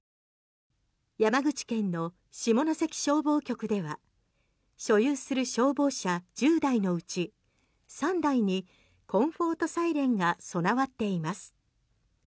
山口県の下関消防局では所有する消防車１０台のうち３台にコンフォート・サイレンが備わっています。